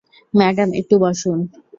Madam, একটু বসুন।